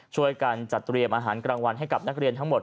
ช่วยกันจัดเตรียมอาหารกลางวันให้กับนักเรียนทั้งหมด